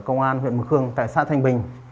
tổ công tác công an huyện mực khương tại xã thanh bình